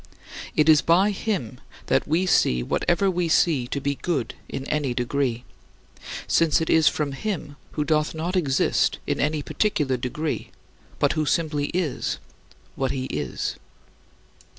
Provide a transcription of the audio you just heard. " It is by him that we see whatever we see to be good in any degree, since it is from him, who doth not exist in any particular degree but who simply is what he is.